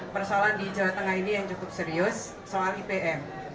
persoalan di jawa tengah ini yang cukup serius soal ipm